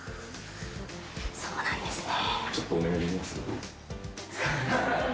そうなんですね。